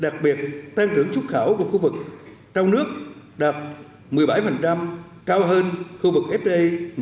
đặc biệt tăng trưởng trúc khảo của khu vực trong nước đạt một mươi bảy cao hơn khu vực fta một mươi bốn